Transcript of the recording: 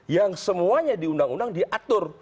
yang semuanya diundang undang diatur